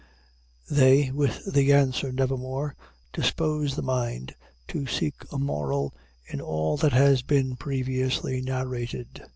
They, with the answer, "Nevermore," dispose the mind to seek a moral in all that has been previously narrated.